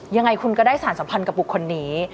ยังไงคุณก็ได้สารสัมพันธ์กับบุคคลนี้